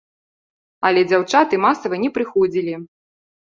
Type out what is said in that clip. Але дзяўчаты масава не прыходзілі.